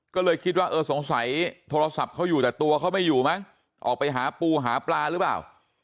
ก็เลยคิดว่าเออสงสัยโทรศัพท์เขาอยู่แต่ตัวเขาไม่อยู่มั้งออกไปหาปูหาปลาหรือเปล่า